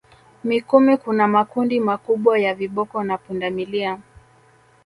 Mikumi kuna makundi makubwa ya viboko na pundamilia